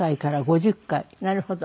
なるほど。